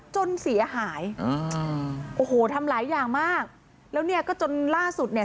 จนเสียหายอ่าโอ้โหทำหลายอย่างมากแล้วเนี่ยก็จนล่าสุดเนี่ย